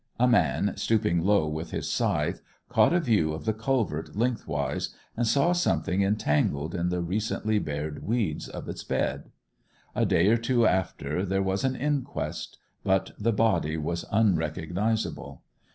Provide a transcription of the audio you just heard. A man, stooping low with his scythe, caught a view of the culvert lengthwise, and saw something entangled in the recently bared weeds of its bed. A day or two after there was an inquest; but the body was unrecognizable.